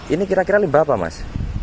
ini kira kira limbah apa mas